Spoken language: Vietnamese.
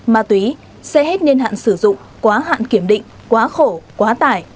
ma túy xe hết niên hạn sử dụng quá hạn kiểm định quá khổ quá tải